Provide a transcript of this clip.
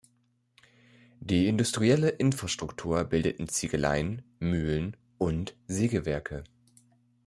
Die industrielle Infrastruktur bildeten Ziegeleien, Mühlen und Sägewerke.